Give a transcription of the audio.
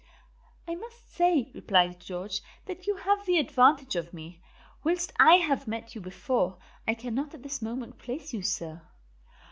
"I must say," replied George, "that you have the advantage of me. Whilst I may have met you before, I can not at this moment place you, sir."